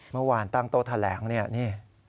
เมื่อวานตั้งโต๊ะแถลงนี่